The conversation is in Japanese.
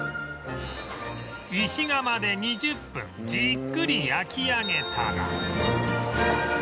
石窯で２０分じっくり焼き上げたら